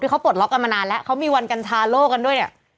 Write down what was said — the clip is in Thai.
คือเขาปลดล็อกกันมานานแล้วเขามีวันกัญชาโลกกันด้วยเนี่ย